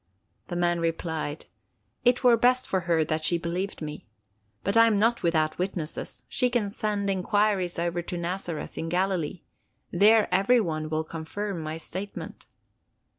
The man replied: "It were best for her that she believed me. But I am not without witnesses. She can send inquiries over to Nazareth, in Galilee. There every one will confirm my statement."